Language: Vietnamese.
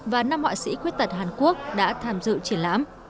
và năm họa sĩ khuyết tật hàn quốc đã tham dự triển lãm